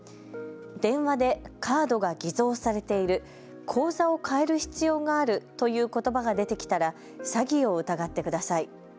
電話でカードが偽造されている、口座を変える必要があるということばが出てきたら詐欺を疑ってください。